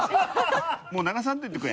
もう流さんといてくれ。